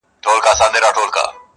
شاوخوا ټولي سيمي,